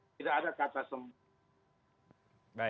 tidak ada kata semua